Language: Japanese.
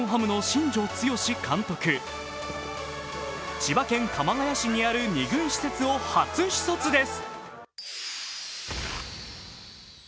千葉県鎌ケ谷市にある２軍施設を初視察です。